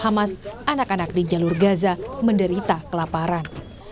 hamas anak anak di jalur gaza menderita kelaparan